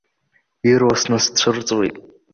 Ирласны сцәырҵуеит.